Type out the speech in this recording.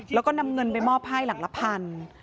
แล้วก็นำเงินไปมอบให้หลังละพัน